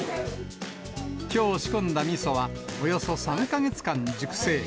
きょう仕込んだみそは、およそ３か月間熟成。